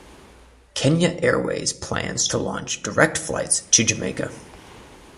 Kenya Airways plans to launch direct flights to Jamaica.